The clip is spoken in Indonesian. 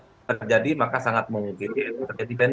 tidak terjadi maka sangat mungkin